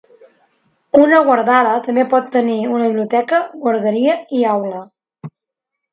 Una Gurdwara també pot tenir una biblioteca, guarderia i aula.